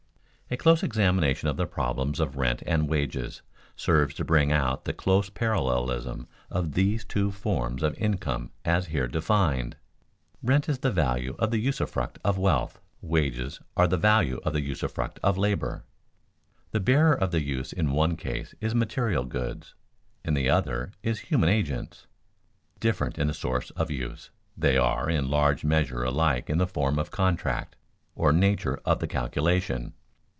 _ A close examination of the problems of rent and wages serves to bring out the close parallelism of these two forms of income as here defined. Rent is the value of the usufruct of wealth, wages are the value of the usufruct of labor. The bearer of the use in one case is material goods, in the other is human agents. Different in the source of use, they are in large measure alike in the form of contract, or nature of the calculation.